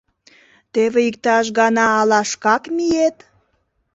Теве иктаж гана ала шкак миет.